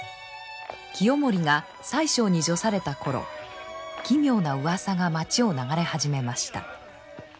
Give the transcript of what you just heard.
清盛が宰相に叙された頃奇妙なうわさが町を流れ始めました。